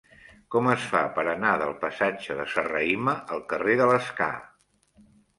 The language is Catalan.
Com es fa per anar del passatge de Serrahima al carrer de l'Escar?